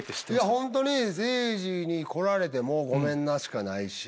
本当にせいじに来られてもごめんな！しかないし。